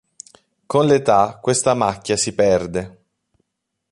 Con l'età, questa macchia si perde.